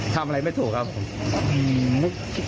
ทำอะไรไม่ถูกครับผม